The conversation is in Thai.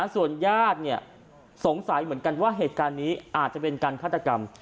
ส่วนญาติสงสัยเหมือนกันว่าเหตุการณ์นี้อาจจะเป็นการฆาตกรรม